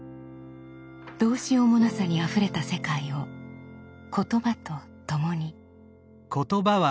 どうしようもなさにあふれた世界を言葉とともに。